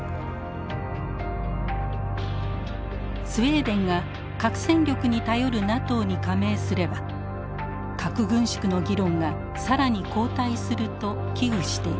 スウェーデンが核戦力に頼るＮＡＴＯに加盟すれば核軍縮の議論が更に後退すると危惧しています。